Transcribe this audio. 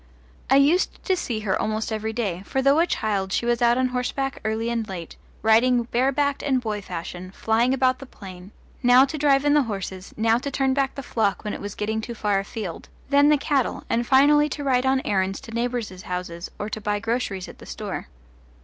I used to see her almost every day, for though a child she was out on horseback early and late, riding barebacked and boy fashion, flying about the plain, now to drive in the horses, now to turn back the flock when it was getting too far afield, then the cattle, and finally to ride on errands to neighbours' houses or to buy groceries at the store.